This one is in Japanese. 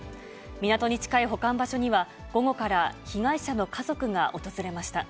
港に近い保管場所には、午後から被害者の家族が訪れました。